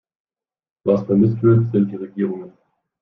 Was vermisst wird, sind die Regierungen.